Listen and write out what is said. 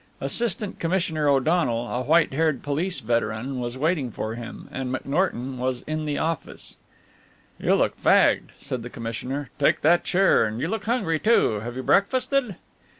Assistant Commissioner O'Donnel, a white haired police veteran, was waiting for him, and McNorton was in the office. "You look fagged," said the commissioner, "take that chair and you look hungry, too. Have you breakfasted?"